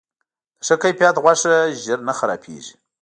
د ښه کیفیت غوښه ژر نه خرابیږي.